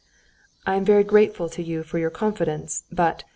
"I am very grateful to you for your confidence, but...."